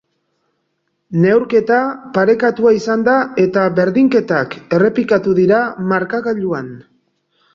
Neurketa parekatua izan da eta berdinketak errepikatu dira markagailuan.